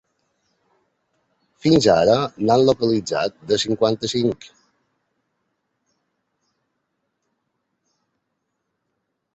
Fins ara, n’han localitzats de cinquanta-cinc.